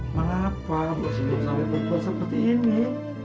kenapa bu sina sampai berbuat seperti ini